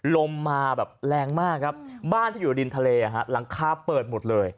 ลมมาแบบแรงมากครับบ้านที่อยู่ริมทะเลหลังคาเปิดหมดเลย